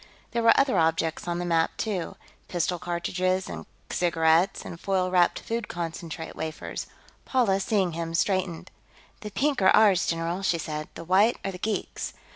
There were other objects on the map, too pistol cartridges, and cigarettes, and foil wrapped food concentrate wafers. Paula, seeing him, straightened. "The pink are ours, general," she said. "The white are the geeks."